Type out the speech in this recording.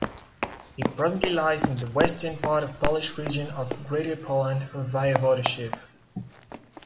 It presently lies in the western part of Polish region of Greater Poland Voivodeship.